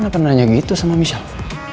kenapa nanya gitu sama michelle